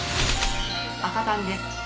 「赤短」です。